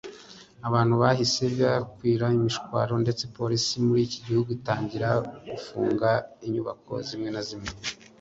abantu bahise bakwira imishwaro ndetse Polisi muri uyu mujyi ihita itangira gufunga inyubako zimwe na zimwe